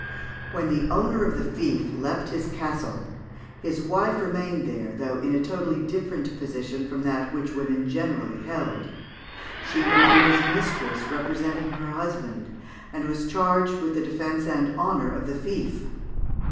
"When the owner of the fief left his castle, his wife remained there, though in a totally different position from that which women generally held. She remained as mistress, representing her husband, and was charged with the defence and honour of the fief.